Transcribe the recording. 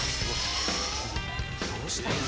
どうしたの？